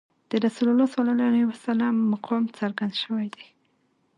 د رسول الله صلی الله علیه وسلم مقام څرګند شوی دی.